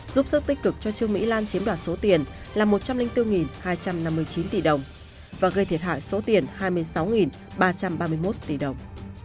giúp sức tích cực cho trương mỹ lan chiếm đoạt số tiền là một trăm linh bốn hai trăm năm mươi chín tỷ đồng và gây thiệt hại số tiền hai mươi sáu ba trăm ba mươi một tỷ đồng